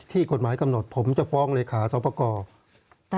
กฎหมายกำหนดผมจะฟ้องเลขาสอบประกอบ